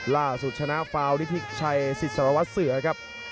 ล่าสุดชนะฟาวนิพิกชัยสิทสารวัตรเสือครับ